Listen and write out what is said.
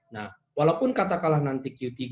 nah walaupun kata kala nanti q tiga